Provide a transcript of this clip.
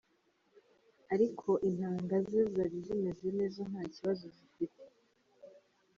Ariko intanga ze zari zimeze neza, nta kibazo zifite.